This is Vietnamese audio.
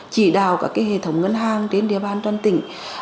chỉ đào cả hệ thống ngân hàng đến địa bàn toàn tỉnh